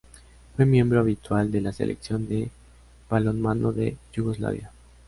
Fue miembro habitual de la Selección de balonmano de Yugoslavia.